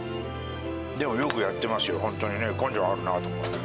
よくやってますよ、本当にね、根性あるなと思ってね。